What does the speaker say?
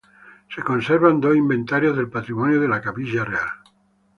Se conservan dos inventarios del patrimonio de la Capilla Real.